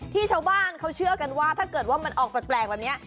ชาวบ้านเขาเชื่อกันว่าถ้าเกิดว่ามันออกแปลกแบบนี้